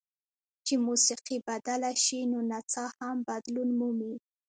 چې موسیقي بدله شي نو نڅا هم بدلون مومي.